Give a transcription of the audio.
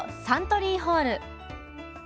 サントリーホール。